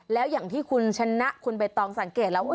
แล้วอย่างที่คุณชนะคุณใบตองสังเกตแล้วว่า